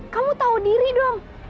kamu tahu diri dong